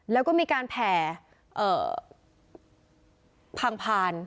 แล้วก็มีการแผ่พังพาน